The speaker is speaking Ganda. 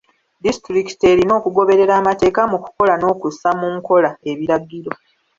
Disitulikiti erina okugoberera amateeka mu kukola n'okussa mu nkola ebiragiro.